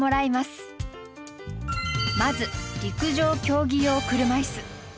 まず陸上競技用車いす。